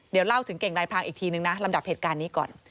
เดี๋ยวเล่าถึงเก่งลายพรางอีกทีนึงนะลำดับเหตุการณ์นี้ก่อน